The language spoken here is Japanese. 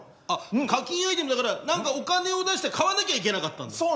あっ課金アイテムだから何かお金を出して買わなきゃいけなかったんだ。